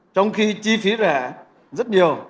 trong khi chi phí rẻ hơn rất nhiều